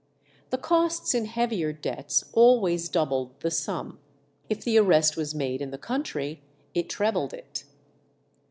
The costs in heavier debts always doubled the sum; if the arrest was made in the country it trebled it.